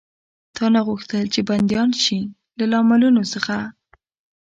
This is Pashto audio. تا نه غوښتل، چې بندیان شي؟ له لاملونو څخه.